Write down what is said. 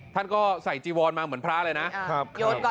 พ่นก็ใส่จิวอลมาเหมือนเพราะราชเลยนะ